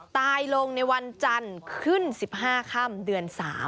ตายลงในวันจันทร์ขึ้น๑๕ค่ำเดือน๓